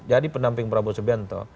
jadi pendamping prabowo soebento